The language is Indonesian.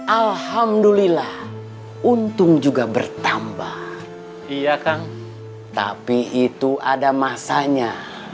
alhamdulillah untung juga bertambah iya kan tapi itu ada masanya